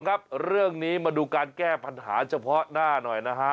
ครับเรื่องนี้มาดูการแก้ปัญหาเฉพาะหน้าหน่อยนะฮะ